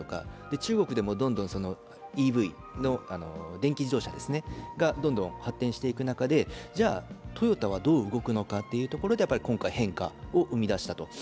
中国でもどんどんＥＶの電気自動車がどんどん発展していく中でじゃあ、トヨタはどう動くのかというところで今回変化を生み出したと。